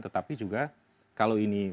tetapi juga kalau ini